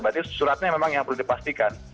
berarti suratnya memang yang perlu dipastikan